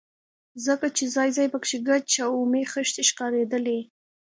ځکه چې ځاى ځاى پکښې ګچ او اومې خښتې ښکارېدلې.